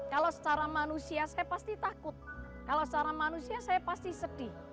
kalau secara manusia saya pasti takut kalau secara manusia saya pasti sedih